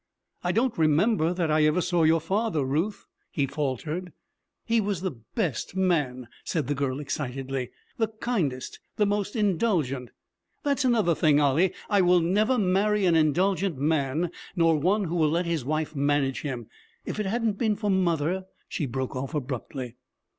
'I don't remember that I ever saw your father, Ruth,' he faltered. 'He was the best man,' said the girl excitedly, 'the kindest, the most indulgent. That's another thing, Ollie. I will never marry an indulgent man, nor one who will let his wife manage him. If it hadn't been for mother ' She broke off abruptly.